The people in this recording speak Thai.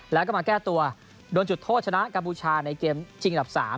แล้วก็มาแก้ตัวโดนจุดโทษชนะกัมพูชาในเกมชิงดับ๓